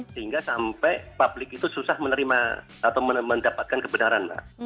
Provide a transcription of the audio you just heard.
sehingga sampai publik itu susah menerima atau mendapatkan kebenaran mbak